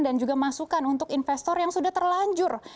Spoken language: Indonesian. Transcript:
dan juga masukan untuk investor yang sudah terlanjur